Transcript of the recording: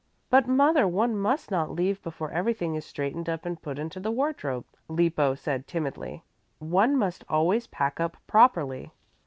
"But, mother, one must not leave before everything is straightened up and put into the wardrobe," Lippo said timidly. "One must always pack up properly."